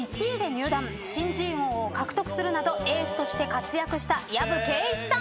新人王を獲得するなどエースとして活躍した藪恵壹さん。